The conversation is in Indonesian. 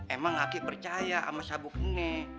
emang aki percaya sama sabuk ne